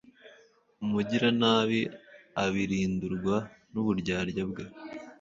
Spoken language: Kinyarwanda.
Umugiranabi abirindurwa n’uburyarya bwe